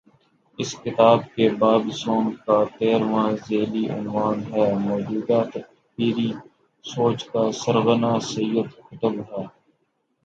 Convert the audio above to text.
اس کتاب کے باب سوم کا تیرھواں ذیلی عنوان ہے: موجودہ تکفیری سوچ کا سرغنہ سید قطب ہے۔